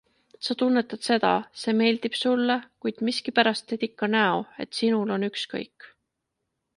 Sa tunnetad seda, see meeldib sulle, kuid miskipärast teed ikka näo, et sinul on ükskõik.